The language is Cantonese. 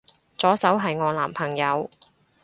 左手係我男朋友